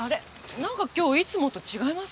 なんか今日いつもと違いますね。